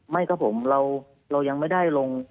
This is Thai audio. ไม่ครับผมเรายังไม่ได้ลง